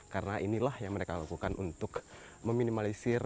karena inilah yang mereka lakukan untuk meminimalisir